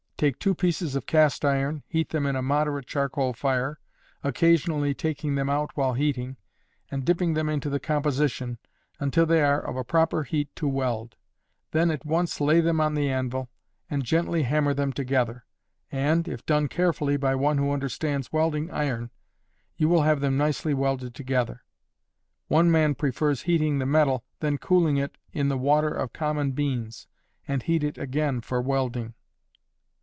Take 2 pieces of cast iron, heat them in a moderate charcoal fire, occasionally taking them out while heating, and dipping them into the composition, until they are of a proper heat to weld; then at once lay them on the anvil, and gently hammer them together, and, if done carefully by one who understands welding iron, you will have them nicely welded together. One man prefers heating the metal, then cooling it in the water of common beans, and heat it again for welding.